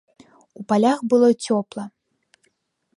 У палях было цёпла.